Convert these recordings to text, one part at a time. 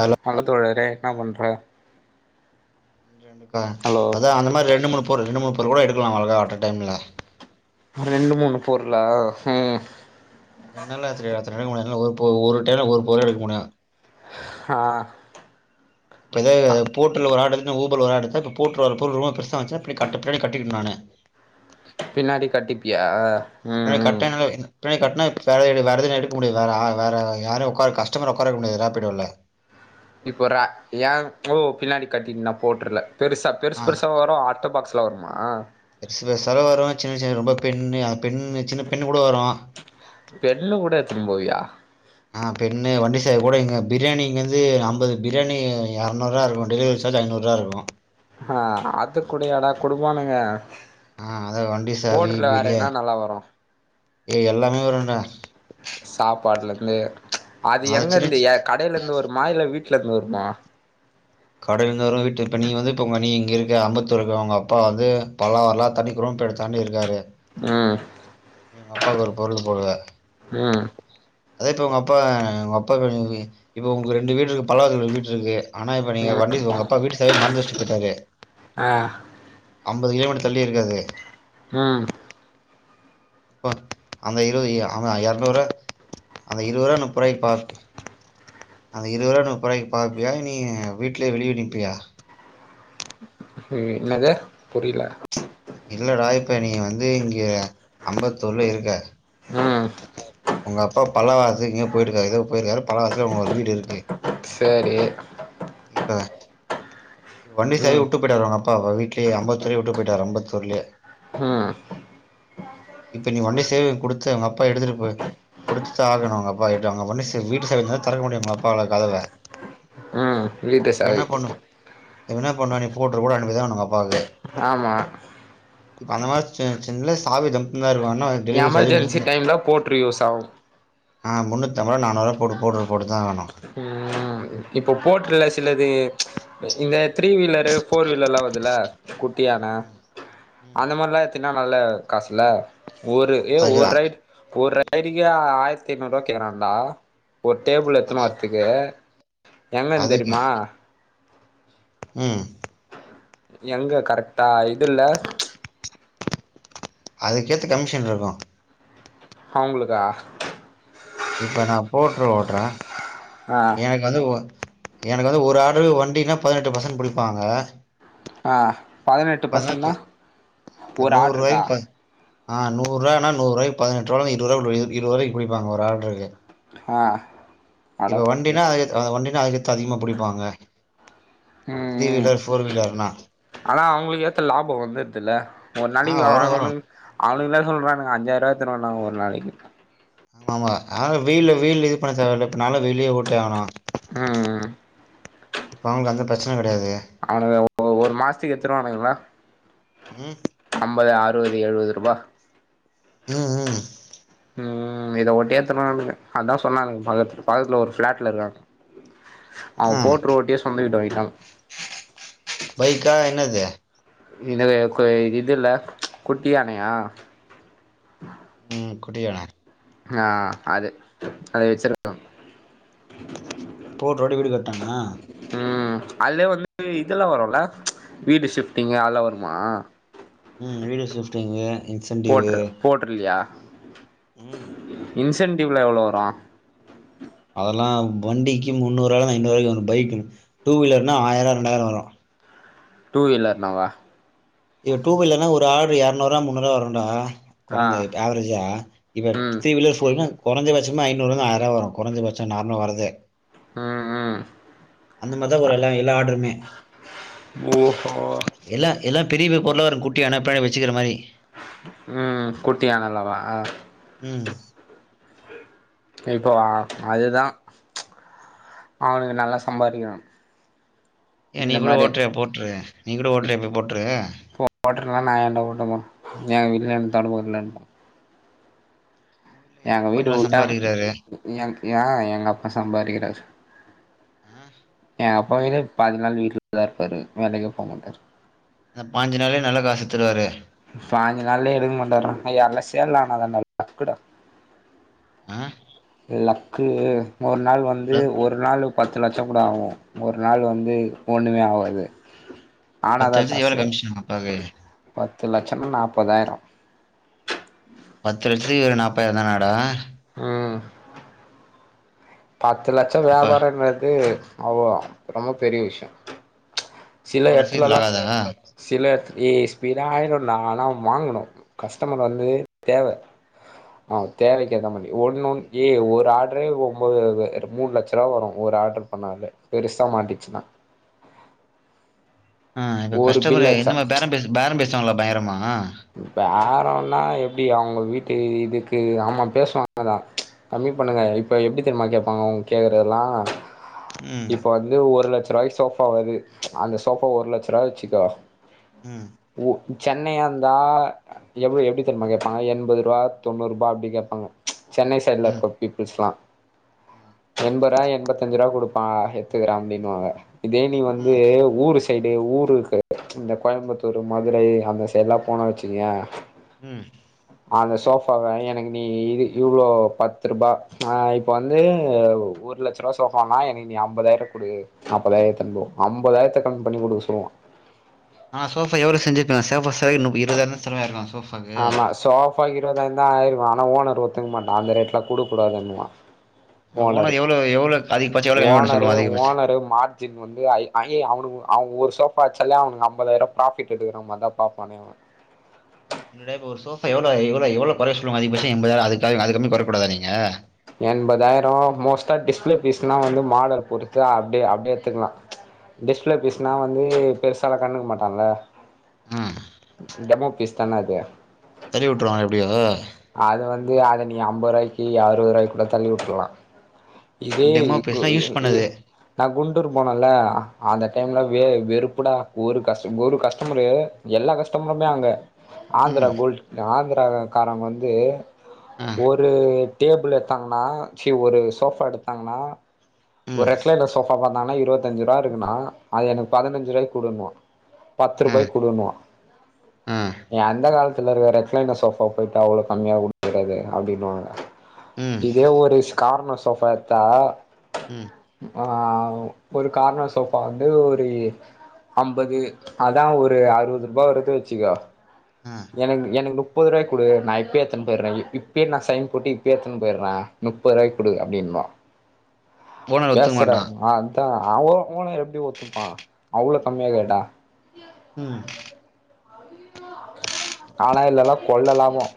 Hello வணக்கம் தோழர இன்னா பண்ற ண்டுக்கா ஹலோ அதா அந்த மாரி ரெண்டு மூணு பொருள் ரெண்டு மூணு பொருளு கூட எடுக்கலா அவ வழகா அட்ட டைம்ல ரெண்டு மூணு பொருளா என்னாலத்த அத்தன எடுக்க முடியாது என்னால ஒரு பொரு ஒரு டைமுல ஒரு பொருள் எடுக்க முடியு ஆ இப்ப இதே அ பூட்டுல ஒரு ஆடுருன்னு ஊபர்ல ஆடுர்னு எடுத்தா இப்ப பூட்ல ஒரு பொருளுளோ பெர்சா வஞ்ச்சினா பின்னாடி கட்ட பின்னாடி கட்டிக்கிட்டே நானு பின்னாடி கட்டிப்பியா நா ம் பின்னடி ம் கட்ட எனா இது பின்னாடி கட்னா எப்புடி வேற எதும் வேற எதுனயும் எடுக்க முடியாது வேறு யாரையு ஒக்கார கஸ்டமர் ஒக்கார வெக்க முடியாது ராபிட்டோல இப்ப ர ஏ ஓ பின்னாடி கட்டிட்டு நா போட்டுரல பெருசாக பெருசு ஆ பெருசா வரோ முட்ட பாக்ஸுலா வருமா பெர்சு பெர்சாகூட வரோ சின்ன சின்ன ரொம்ப பிண்ணுயா பிண்ணு சின்ன பிண்ணு கூட வரோ பெண்ல கூட எத்துனு போவியா ஆ பெண்ணு வண்டி சாவி கூட இங்கே பிரியாணி இங்கேந்து அம்பது பிரியாணி எரநூறுவா இருக்கோ டெலிவரி சார்ஜு ஐநூறுவா இருக்கோ ஆ அதுக்கூடயாடா குடுப்பானுங்க ஆ அதா வண்டி போர்டுல வேற என்ன நல்லா வரு ஏய் எல்லாமே வருன்டா சாப்பாடுல இருந்து அது எங்க இருந்து கடையில இருந்து வருமா இல்ல வீட்டுல இருந்து வருமா கடைல இருந்து வரு வீட்டு இப்ப நீ வந்து இப்ப நீ இங்க இருக்க அம்பத்தூர் இருக்கு உங்க அப்பா வந்து பலாவரலா தனி குரேம்பேட் தாண்டி இருக்காரு ம் நீ எங்க அப்பாவுக்கு ஒரு பொருள் போடுவ ம் அத இப்ப உங்க அப்பா உங்க அப்பா இப்ப உங்க ரெண்டு வீடு இரு பல்லாவரத்து வீடு இருக்கு ஆனா இப்ப நீங்க வண்டி உங்க அப்பா வீட்டு சாவிய மறந்து வச்சட்டு போயிட்டாரு ஆ அம்பது கிலோ மீட்டர் தள்ளி இருக்கு அது ம் எப்ப அந்த இருவது ஆ இரநூறு அந்த இருவது ரூவா முப்பது ரூவாய்க்கு பார் அந்த இருவது ரூவா முப்பது ரூவாய்க்கு பாப்பியா நீ வீ்ட்லே வெளிய நிப்பியா ம் என்னது புரில இல்லடா இப்ப நீ வந்து இங்க அம்பத்தூர்ல இருக்க ம் உங்க அப்பா பல்லவாசதுக்கு இங்க போயிருக்காரு எதோ போயிருக்காரு பல்லாவரத்துல உங்க ஒரு வீடு இருக்கு சேரி இப்பதா வண்டி சாவிய ம் உட்டு போயிட்டாரு உங்க அப்பா வீ்ட்லே அம்பத்தூலே விட்டு போயிட்டாரு அம்பத்தூர்லே ம் இப்ப நீ வண்டிய சேவை குடுத்து உங்க அப்பா எடுத்துட்டுப்போய் குடுத்துதா ஆகணு உங்க அப்பாகிட்ட வண்டி சாவி வீட்டு சாவி இருந்தாதா திறக்க முடியு உங்க அப்பாவால கதவ ம் வீட்டு இப்ப என்ன சாவி பண்ணு இப்ப என்ன பண்ணுவ ரிப்போட்று கூட அனுப்பிதா உங்க அப்பாவுக்கு ஆமா அந்த மாரி சின்ன சாவி தம்பு தா இருக்கு என்னா எமர்ஜென்சி டைம்ல போட்ரு யூஸ் ஆகு ஆ முன்னூத்தம்ப ரூவா நானூறுவா போட்டு போட்ரு போட்டுதா ஆகணு ம் இப்போ போர்ட்டுல சிலது இந்த த்ரீ வீலரு ஃபோர் வீலர்ல்லா வருதுல்ல குட்டியானை ம் ம் அந்த மாரிலா எத்தின்னா நல்ல காசுல ஒரு ஏய் ஒரு அதுக்குதான் ரைடு ஒரு ரைடருக்கே ஆயிரத்தி ஐநூரூபா கேக்குறாடா ஒரு டேபிள் எத்துனு வரத்துக்கு எங்கன்னு அதுக்கு தெரியுமா ம் எங்க கரெக்டா இது இல்ல அதுக்கேத்த கமிஷன் இருக்கு அவுங்களுக்கா இப்ப நா போர்ட்டுரு ஓட்டுறே ஆ எனக்கு வந்து எனக்கு வந்து ஒரு ஆர்டரு வண்டியுனே பதினெட்டு பர்சன்ட் பிடிப்பாங்க ஆ பதினெட்டு பர்சன்ட்னா ஒரு நூறு ஆடு இருக்கா ரூபாய்க்கு ப ஆ நூறுவானா நூறுவாய்க்கு பதினெட்ருவா இருவருவா இருவதுவாய்க்கு புடிப்பங்க ஒரு ஆர்டருக்கு ஆ அட இப்போ வண்டின்னா அதுக்கே அது வண்டினா அதுக்கேத் அதிகமா புடிப்பாங்க ம் த்ரீ ம் வீலர் ஃபோர் வீலர் ஆனா அவுங்களுக்கு ஏத்த லாபோ வந்துடுது இல்ல ஒரு நாளிக்கு ஆ வரும் அவனு வரும். அவனுங்கதா சொல்றாங்க அஞ்சாயிரூவா எத்துனு வந்தாங்க ஒரு நாளைக்கு ஆமா ஆனா வெயிலு வெயிலு இது பண்ணத் தேவயில்ல இப்ப நாலா வெளியே ஓட்டியாவணு ம் ம் இப்ப அவுங்க அந்த பிரச்சன கெடையாது அவனுங்க ஒரு மாசத்துக்கு எத்துருவானுங்களா ம். அம்பது அ றுவது எழுவது ரூபா ம் ம் ம் இத மட்டு எத்துருவானுங்க அதா சொன்னானுங்க பக்கத்ல பக்கத்துல ஒரு ஃப்ளாட்ல இருக்காங்க அவ ஆ போட்ரு ஓட்டியே சொந்த வீடு வாங்கிட்டா பைக்கா என்னது இன்னது கொ இதுல்ல குட்டி யானையா ம் குட்டியான ஆ அது அது வச்சிருக்கா போட்ரு ஓட்டி வீடு கட்டானா ம் அதுலே வந்து இதெல்லா வருல்ல வீடு ஷிஃப்ட்டிங்கு ஆல்லா வருமா ம் வீடு ஷிஃப்டிங்கு இன்சென்டிவூ போட்ருலையா இன்சென்டிவ்லா எவ்ளோ வரு அதெல்லா வண்டிக்கு முன்னூறுவாலந்து ஐநூறு வரு பைக்கிங் டூ வீலர்னா ஆயிர ரெண்டாயிர வரு டூ வீலர்னாவா ஏ டூவீலர்னா ஒரு ஆர்டரு எரநூறுவா முன்னூறுவா வருண்டா ஆ கொறைந்த ஆவரேஜா இப்ப ம் த்ரீ வீலர் ஃபோர் வீலர்னா கொறைஞ்சபட்சமா ஐநூறுவாருந்து ஆயிரூவா வரு கொறைஞ்சபட்சோ நார்மலா வர்றதே ம் ம் அந்த மாரிதா வரு எல்லா எல்லா ஆர்டருமே ஓஹோ எல்லா எல்லா பெரிய பெரிய பொருளா இருக்கு குட்டியான பின்னாடி வெச்சிக்கிற மாரி ம் குட்டியானல்லவா ம் இப்போவா அதுதா அவனுங்க நல்லா சம்பாதிக்குறா ஏ நீ கூட ஓட்றியா போட்ரு நீ கூட ஓட்றியா இப்ப போட்ரு போட்ருலா நா ஏன்டா ஓட்டனு ஏ வீட்ல அந்த தெறம இல்லன்டா உங்க வீட்ல எங்க அப்பா வீடு நல்லா உட்டாங்க சம்பாரிக்கிறாரு. எங் ஏ எங்க அப்பா சம்பாரிக்கிறாரு ஆ ஏ அப்பாவே பாதி நாள் வீட்லதா இருப்பாரு வேலைக்கே போ மாட்டாரு அந்த பாஞ்சு நாளே நல்லா காசு எத்துருவாரு பாஞ்சு நாள்லே எடுக்க மாட்டார்றா ஏய் அல்லா சேல் ஆனாதாண்டா லக்குடா ஆ லக்கு ஒரு நாள் வந்து ஆ. ஒரு நாளுக் பத்து லட்சோ கூட ஆவு ஒரு நாள் வந்து ஒன்னுமே ஆவாது ஆனாதா பத்துலட்சத்துக்கு எவ்ளோ காசு கமிஷன் அப்பாக்கு பத்து லட்சன்னா நாப்பதாயிரோ பத்து லட்சத்துக்கு எவ்ளோ நாப்பதாயிரோ தானா டா ம் பத்து லட்சோ அப்பா வியாபாரோ நடக்றது அவ்ளோ ரொம்ப பெரிய விஷ்யோ சில அவ்வளோ சீக்கிரத்தில் எடத்துலலா சி ஆகாதா சில எத் ஏ ஸ்பீட ஆயிடு நா ஆனா வாங்கணு கஸ்டமர் வந்து தேவ ஆ தேவைக்கேத்தா மாரி ஒன்னு ஒன்னு ஏ ஒரு ஆர்ட்ரே ஒம்போது மூணு லட்ச ரூவா வரு ஒரு ஆர்ட்ரு பண்ணாத பெருசா மாட்டிச்சுன்னா ஆ இப்ப ஒரு பில் கஷ்டமரு அச்சா இந்த மாரி பேரம் பேசு பேரம் பேசுவாங்களா பயங்கரமா பேரம்னா எப்படி அவுங்க வீட்டு இதுக்கு ஆமா பேசுவாங்கதான் கம்மி பண்ணுங்க இப்ப எப்படி தெரியுமா கேப்பாங்க அவுங்க கேக்குறதெல்லாம் ம் இப்ப வந் து ஒரு லட்ச ரூபாய்க்கு சோபா வரு அந்த சோபா ஒரு லட்ச ரூபாய் வச்சுக்கோ உம் உ சென்னையா இரு தா எப்படி எப்படி தெரியுமா கேப்பாங்க எண்பது ரூபாய் தொண்ணூறு ரூபாய் அப்படி கேப்பாங்க சென்னை சைட்ல ம் இருக்க பீப்புள்ஸ்ல்லா ஆ, எண்பது ரூபாய் எண்பத்தஞ்சி ரூபாய் குடுப்பா எடுத்துகிற அப்டின்பாங்க இதே நீங்க வந்து ம் ஊர் சைடு ஊருக்கு இந்த கோயம்புத்தூர் மதுரை அந்த சைட்ல்லாம் போன வச்சுக்கய உம் அந்த சோஃபாவ நீ எனக்கு நீ இது இவ்வளோ பத்து ரூபா ஆ இப்போ வந்து ஒரு ஒரு லட்ச ரூபா சோபானா எங்களுக்கு நீ அம்பதாயிரம் ரூபா குடு நாப்பதாயிரத்தம்போ அம்பதாயிரத்த கம்மி பண்ணி குடுக்க சொல்லுவோ ஆ சோபா எவ்வளோ செஞ்சிருங்க சோபா செய்யறதுக்கு இருபாயிரம் செலவாயிருக்கு அப்போ ஆமா சோபா இருவதாயிரந்தா ஆயிருக்கும் ஆனா ஓனர் ஒத்துக்க மாட்டான் அந்த ரேட்ல குடுக் கூடாதுன்பான் ஓனர் எவ்வளோ எவ்வளோ அதிகபட்சம் எவ்வளோ கம்மி பண்ண ஓனரு சொல்லுவோம் அதிகபட்சம் ஓனரு மாட் மாத்தி வந்து ஐ அவனு அவன் ஒரு சோபா வச்சாலே அவனுக்கு ஐம்பதாயிரம் ப்ராஃபிட் கிடைக்கிற மாதிரிதான் பாப்பானே அவன் இந்த இப்ப ஒரு சோபா எவ்வளோ இவ்வளோ எவ்வளோ குறையும் சொல்லி அதிகட்சம் எம்பதாயிரம் அதுக் அதுக் கம்மி குறைக்ககூடாது நீங்க எண்பதாயிரம் மோஸ்ட்டா டிஸ்பிளே பேஸ்னா வந்து மாடல் பொறுத்து அப்டியே அப்டியே எடுத்துக்கலாம் டிஸ்பிளே பேஸ்னா வந்து பெருசா அத கண்டுக்க மாட்டாங்கல்ல ஆ டெமோ பீஸ் தான அது தள்ளிவிட்ருவான இப்டியோ அத வந்து அத நீ அம்பது ரூபாய்க்கு அறுவது ரூபாய்க்கு கூட தள்ளி விட்றலாம் இதே டெமோ க் கு பேசுனா யூஸ் ஏய் பண்ணது நா குண்டூர் போனன்ல அந்த டைம்ல வே வெறுப்புடா ஒரு கஸ்டமா ஒரு கஸ்டமரு எல்லா கஸ்டமருமே அங்க ஆந்திரா ம் கோல்ட் ஆந்திரா காரங்க வந்து ஆ ஒரு டேபிள் எடுத்தாங்கனா ஒரு சோஃபா எடுத்தாங்கனா ஒரு ம் ரெக்லைல சோபா பாத்தாங்கன்னா இருவத்தஞ்சி ரூபா இருக்குன்னா அது எனக்கு பதினஞ்சி ரூபாய்க்கு க குடுன்போம் பத்து ஆ ரூபாய்க்கு குடுன்போ ஆ நீ அந்த காலத்துல இருக்குற ரெக்லைன சோபா போயிட்டு அவ்வளவு கம்மியா குடுக்குறது அப்படின்னுவாங்க ம் இதே ஒரு கார்னர் சோஃபா எடுத்தா ம் ஆ ஒரு கார்னர் சோஃபா வந்து ஒரு அம்பது அதான் ஒரு அறுபது ரூபாய் வரைக்கு வச்சுக்கோ ஆ எனக்கு எனக்கு முப்பது ரூபாய்க்கு குடு நா இப்பே எடுத்துன்டு போயிடுறேன் இப்பே நா சைன் போட்டு இப்பே எடுத்துன்டு போயிடுறேன் முப்பது ரூபாய்க்கு குடு அப்படின்பா ஓனர் ஒத்துக்க பேசுறா மாட்டான் ஆ அதான் [unintelligible] எப்படி ஒத்துப்பான் அவ்வளவு கம்மியா கேட்டா உம் ஆனா இதெல்லா கொள்ள லாபம்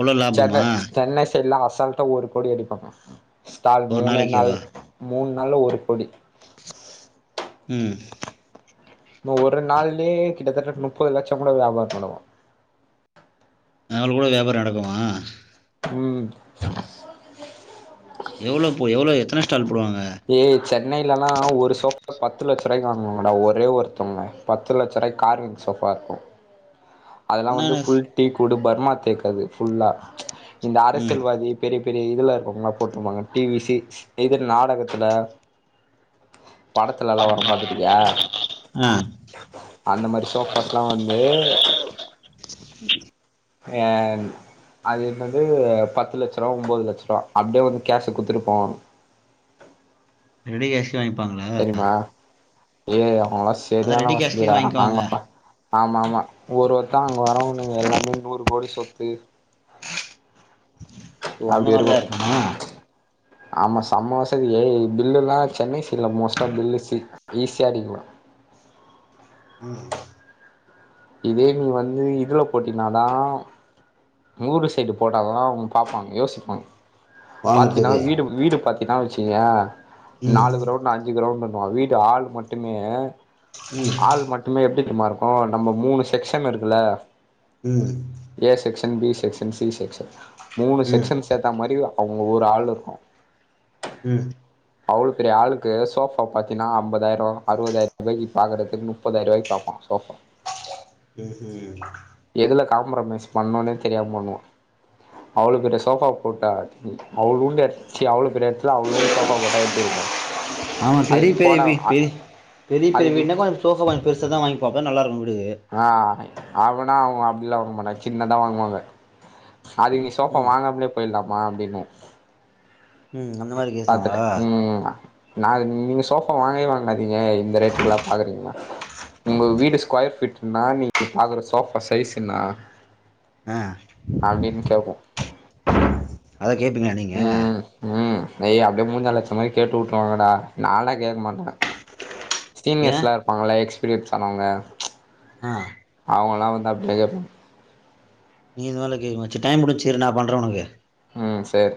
எவ்ளோ லாபமா செட்டா ஸ்டென்னை சைடல அசால்ட்ட ஒரு கோடி அடிப்பாங்க ஸ்டால் ஒரு மூணு நாளு நாளைக்கேவா மூணு நாள ஒரு கோடி உம் இன்னும் ஒரு நாள்லயே கிட்டத்தட்ட முப்பது லட்சம் கூட வியாபாரம் பன்னுவோ நாளக்குகூட வியாபாரம் நடக்குமா உம் எவ்வளவு போ எவ்ளோ எத்தன ஸ்டால் போடுவாங்க ஏய் சென்னையிலலா ஒரு சோஃபா பத்து லட்ச ரூபாய்கு வாங்குவாங்கடா ஒரே ஒருத்தவங்க பத்து லட்சரூபாய்க் கார்விங் சோஃபாயிருக்கோ அதெல்லா வந்து என்னன்ன ஃபுல் டீ குடூ பர்மா தேக் அது ஃபுல்லா இந்த ம் அரசியல்வாதி பெரிய பெரிய இதுல இருப்பாங்கள போட்னுயிருப்பாங்க டிவி சிஸ் இதுல நாடகத்துல படத்துலல்லா வர மாதிரியா ஆ அந்தமாரி சோஃபாஸ்ல்லா வந்து ஏ அது வந்து பத்து லட்ச ரூபா ஒம்போது லட்சருவா அப்டியே வந்து கேஷ் குத்துட்டு போவாங்க ரெடி கேஷ் வாங்கிப்பாங்களா தெரியுமா ஏய் அவுங்காலா அதா சரியானா ரெடி கேஷ்கே வசதிடா நாங்க வாங்கிக்குவாங்க ஆமா ஆமா ஒரு ஒருத்த அங்க வரவனுங்க எல்லாமே நூறு கோடி சொத்து ஓ அந்த அப்டியிருக்கு மாரிதா இருக்குமா ஆமா செம வசதி ஏ பில்லுல்லா சென்னை சைட்ல மோஸ்ட்டா பில்லு சி ஈசிய அடிக்லா ம் இதே நீ வந்து இதுல போட்டியனாதா ஊரு சைடு போட்டாதா அவுங்க பாப்பாங்க யோசிப்பாங்க பாத்தீன்னா வாங்கறதுக்கு வீடு வீடு பத் தினா வெச்சீய ம் நாலு கிரௌண்ட்டு அஞ்சு கிரௌண்ட்டுனுவா வீட்டு ஹால் மட்டுமே ம் ஆல் மட்டுமே எப்டி தெர்மாயிருக்கூ நம்ம மூணு செக்ஷன் இருக்குல ம் A section B section C section மூணு ம் ம் செக்ஷன் சேத்தா மாரி அவுங்க ஒரு ஹால்யிருக்கு ம் அவ்ளோ பெரிய ஆலுகு சோஃபா பாத்தினா ஐம்தாயிரோ அறுவதாயிரோ ரூாய்க்கு பாகுறதுக்கு முப்பதாயிருபாய்க்கு பாப்பா சோஃபா ம் ம் எதுல ஃகாம்ப்ரமைஸ் பண்ணுனே தெரியாம பண்ணுவா அவ்ளோ பெரிய சோஃபா போட்டா அவுளுண்டு எடத் சீ அவ்ளோ பெரிய எடத்துல அவுளுண் ஆமா அது பெரிய நீ பெரிய போனா வீ அ பெ பெரிய அது நீ பெரியவீட்னா கொஞ்சோ சோஃபா கெஞ்சோ பெருச தா வாங்கிபாப்ப நல்லாயிருக்கு வீடு ஆ அவனா அவுங்க அப்டிலா வாங்க மாட்டாங்க சின்னதா வாங்குவாங்க அதுக்கு நீ சோஃபா ம் வாங்காமேலே போயிட்லாம அப்டின்ன ம் அந்தமாரி பாத்துட்டே ம் நா நீங்க சோஃபா வாங்கவே வாங்காதீங்க இந்த ரேட்டுக்குல்லா பாக்றீங்னா உங்க வீடு ஸ்கொயர் ஃபீட்னா நீங்க பாக்குற சோஃபா சைஸ்சு என்னா ஆ அப்டின் கேப்போ அத கேப்பீங்களா நீங்க ம் ம் எய் அப்டியே முஞ்சால அச்சமாரி கேட்டு உட்டுருவாங்கடா நாலா கேக்க மாட்டே ஏன் ஸ்டீனியர்ஸ்லா இருப்பாங்கல எக்ஸ்பீரியன்ஸ் ஆனவங்க ஆ அவுங்கலா வந்த அவங்களஈ நீ இதுமாரிலா கேக்க சேர் டைம் முடிச்சு இரு நா பண்றே உனக்கு ம் சேர்